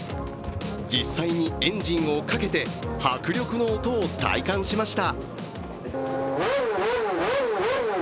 実際にエンジンをかけて迫力の音を体感しました。